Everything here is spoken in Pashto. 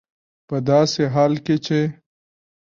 په داسې حال کې چې